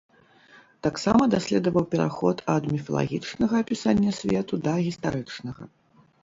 Таксама даследаваў пераход ад міфалагічнага апісання свету да гістарычнага.